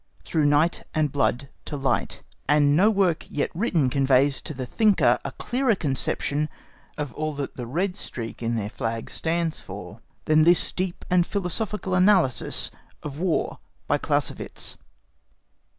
("Through night and blood to light"), and no work yet written conveys to the thinker a clearer conception of all that the red streak in their flag stands for than this deep and philosophical analysis of "War" by Clausewitz.